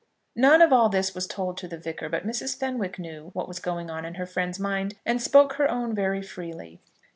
Nothing of all this was told to the Vicar, but Mrs. Fenwick knew what was going on in her friend's mind, and spoke her own very freely.